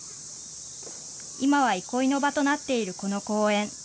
今は憩いの場となっているこの公園。